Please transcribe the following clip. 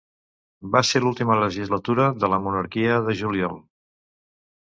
Va ser l'última legislatura de la Monarquia de Juliol.